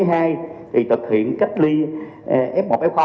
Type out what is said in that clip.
thì thực hiện cách ly f một f